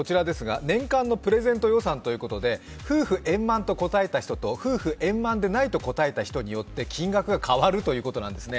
年間のプレゼント予算ということで、夫婦円満と答えた人と夫婦円満でないと答えた人によって金額が変わってくるんですね。